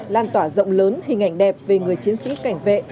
lan tỏa rộng lớn hình ảnh đẹp về người chiến sĩ cảnh vệ